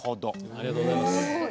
ありがとうございます。